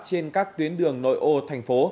trên các tuyến đường nội ô thành phố